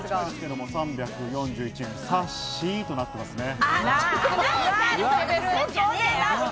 ３４１円、「さっしー」となってますね。